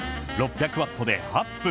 ６００ワットで８分。